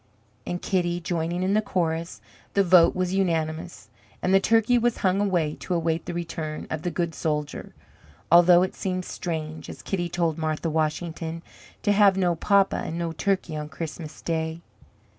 and Kitty, joining in the chorus, the vote was unanimous, and the turkey was hung away to await the return of the good soldier, although it seemed strange, as Kitty told Martha Washington, "to have no papa and no turkey on Christmas Day."